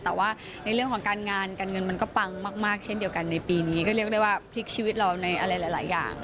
แต่ว่าในเรื่องของการงานการเงินมันก็ปังมากเช่นเดียวกันในปีนี้ก็เรียกได้ว่าพลิกชีวิตเราในอะไรหลายอย่าง